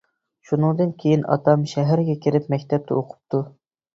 شۇنىڭدىن كېيىن ئاتام شەھەرگە كىرىپ مەكتەپتە ئوقۇپتۇ.